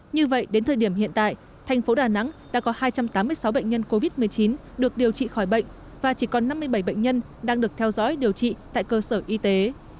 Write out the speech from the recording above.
như vậy đến thời điểm hiện tại thành phố đà nẵng đã có hai trăm tám mươi sáu bệnh nhân covid một mươi chín được điều trị khỏi bệnh và chỉ còn năm mươi bảy bệnh nhân đang được theo dõi điều trị tại cơ sở y tế